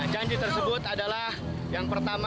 janji tersebut adalah yang pertama